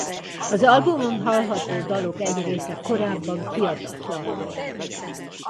Az albumon hallható dalok egy része korábban kiadatlan volt.